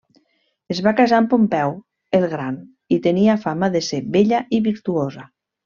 Es va casar amb Pompeu el Gran i tenia fama de ser bella i virtuosa.